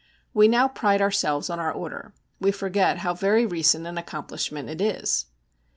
We now pride ourselves on our order; we forget how very recent an accomplishment it is.